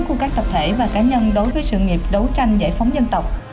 của các tập thể và cá nhân đối với sự nghiệp đấu tranh giải phóng dân tộc